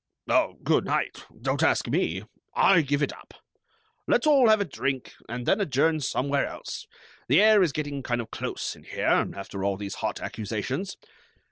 "Oh, good night! Don't ask me. I give it up. Let's all have a drink, and then adjourn somewhere else. The air is getting kind of close in here, after all these hot accusations.